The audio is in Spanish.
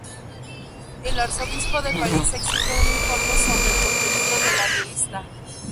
El arzobispo de París exige un informe sobre el contenido de la revista.